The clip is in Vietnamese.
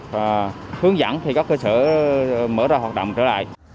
và hướng dẫn khi các cơ sở mở ra hoạt động trở lại